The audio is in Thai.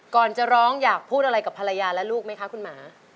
ก่อนจะร้องอยากพูดอะไรกับภรรยาและลูกไหมคะคุณหมา